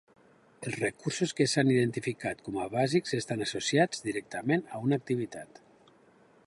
Els recursos que s'han identificat com a bàsics estan associats directament a una activitat.